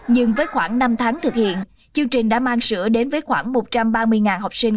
nhưng với khoảng năm tháng thực hiện chương trình đã mang sữa đến với khoảng một trăm ba mươi học sinh